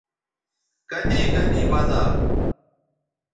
کدی کدی بزا